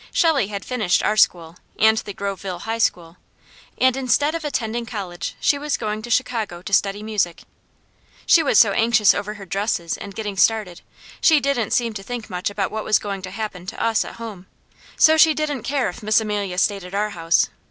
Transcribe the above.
Shelley had finished our school, and the Groveville high school, and instead of attending college she was going to Chicago to study music. She was so anxious over her dresses and getting started, she didn't seem to think much about what was going to happen to us at home; so she didn't care if Miss Amelia stayed at our house.